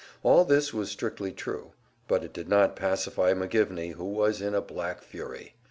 All this was strictly true; but it did not pacify McGivney, who was in a black fury.